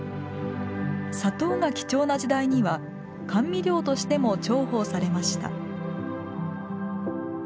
砂糖が貴重な時代には甘味料としても重宝されました。